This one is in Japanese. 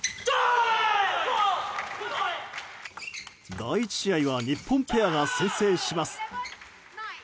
第１試合は日本ペアが先制します。